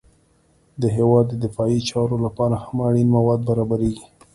د هېواد د دفاعي چارو لپاره هم اړین مواد برابریږي